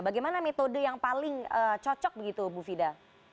bagaimana metode yang paling cocok begitu bu fida